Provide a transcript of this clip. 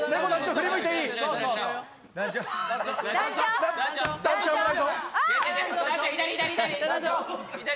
振り向いていい。